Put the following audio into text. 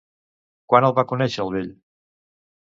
Quan el va conèixer el vell?